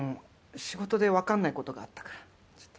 仕事でわかんないことがあったからちょっと。